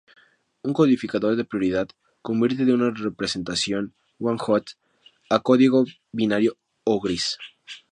Un codificador de prioridad convierte de una representación one-hot a código binario o gris.